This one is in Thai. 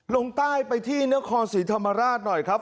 ลงใต้ไปที่นครศรีธรรมราชหน่อยครับ